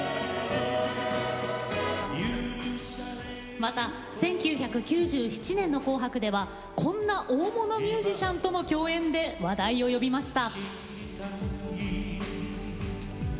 また、１９９７年の「紅白」ではこんな大物ミュージシャンとの共演で話題を呼びました。